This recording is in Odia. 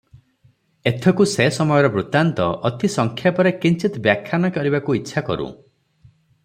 ଏଥକୁ ସେ ସମୟର ବୃତ୍ତାନ୍ତ ଅତି ସଂକ୍ଷେପରେ କିଞ୍ଚିତ୍ ବ୍ୟାଖ୍ୟାନ କରିବାକୁ ଇଚ୍ଛା କରୁଁ!